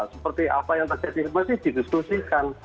seperti apa yang terjadi mesti didiskusikan